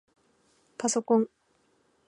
パソコン